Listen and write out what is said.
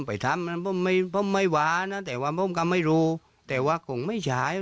ไปทำมันไม่หวานะแต่ว่าผมก็ไม่รู้แต่ว่าคงไม่ใช้